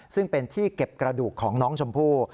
ซึ่งเป็นที่เก็บกระดูกของน้องชมพู่